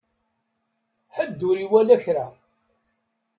Ḥedd ur iwala kra.